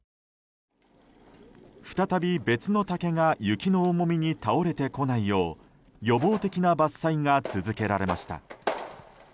再び、別の竹が雪の重みで倒れてこないよう予防的な伐採が続けられました。